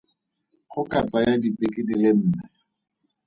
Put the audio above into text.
Go ka tsaya dibeke di le nne.